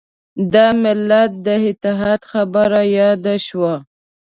د ملت د اتحاد خبره یاده شوه.